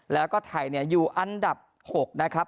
แล้วก็ไทยอยู่อันดับ๖นะครับ